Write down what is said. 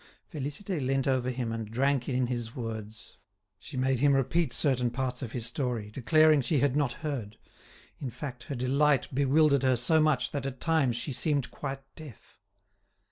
Félicité leant over him and drank in his words. She made him repeat certain parts of his story, declaring she had not heard; in fact, her delight bewildered her so much that at times she seemed quite deaf.